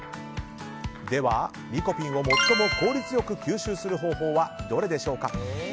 では、リコピンを最も効率よく吸収する方法はどれでしょうか。